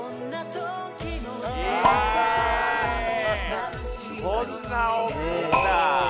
えこんな大きいんだ。